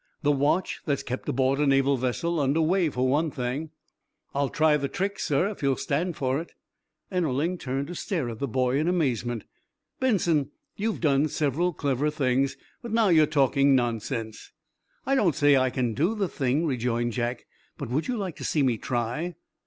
The watch that's kept aboard a Naval vessel under way, for one thing." "I'll try the trick, sir, if you'll stand for it." Ennerling turned to stare at the boy in amazement. "Benson, you've done several clever things, but now you're talking nonsense." "I don't say I can do the thing," rejoined Jack, "but would you like to see me try?"